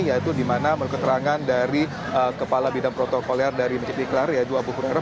yaitu di mana menurut keterangan dari kepala bidang protokoler dari masjid ikhlara yaitu abu kuno